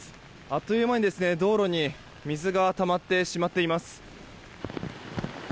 あっという間に道路に水がたまってしまっています。